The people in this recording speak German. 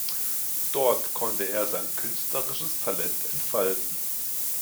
Dort konnte er sein künstlerisches Talent entfalten.